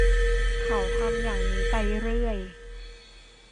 เขาทำอย่างนี้ไปเรื่อย